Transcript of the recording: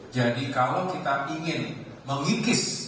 kalau kita ingin mengikis